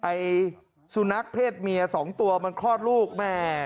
ไอ้สุนัขเพศเมียสองตัวมันคลอดลูกแม่